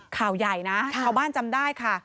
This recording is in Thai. ข่าวใหญ่นะชาวบ้านจำได้ค่ะ